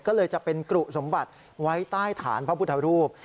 ก็เลยจะเป็นกรุสมบัติไว้ใต้ฐานพระพุทธรูป